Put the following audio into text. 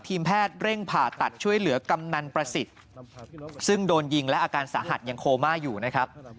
ทีมแพทย์เร่งผ่าตัดช่วยเหลือกำนันประสิทธิ์ซึ่งโดนยิงและอาการสาหัสยังโคม่าอยู่นะครับ